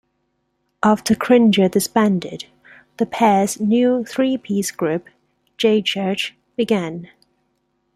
After Cringer disbanded, the pair's new three-piece group, J Church, began.